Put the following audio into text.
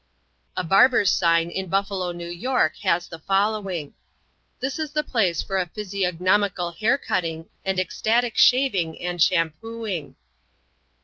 A barber's sign in Buffalo, N.Y., has the following: "This is the place for physiognomical hair cutting and ecstatic shaving and shampooing."